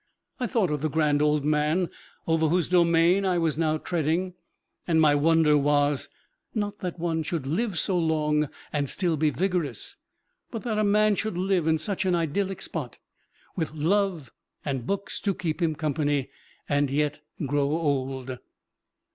I thought of the grand old man over whose domain I was now treading, and my wonder was, not that one should live so long and still be vigorous, but that a man should live in such an idyllic spot, with love and books to keep him company, and yet grow old.